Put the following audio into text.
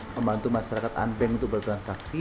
membantu masyarakat unbank untuk bertransaksi